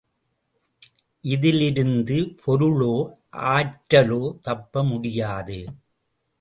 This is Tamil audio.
இதிலிருந்து பொருளோ ஆற்றலோ தப்ப முடியாது.